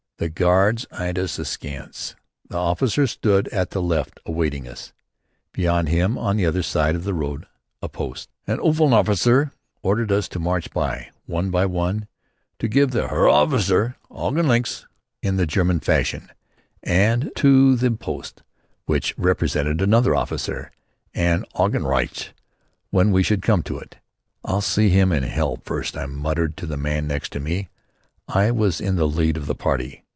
The guards eyed us askance. The officer stood at the left awaiting us; beyond him and on the other side of the road, a post. An unteroffizier ordered us to march by, one by one, to give the Herr Offizier "Augen Links" in the German fashion, and to the post, which represented another officer, an "Augen Rechts" when we should come to it. "I'll see him in hell first," I muttered to the man next me. I was in the lead of the party.